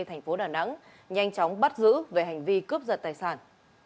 thành phố đà nẵng nhanh chóng bắt giữ về hành vi cướp giật tài sản